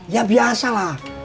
ya biasa lah